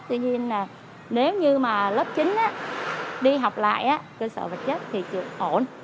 tuy nhiên nếu như mà lớp chín đi học lại cơ sở vật chất thì ổn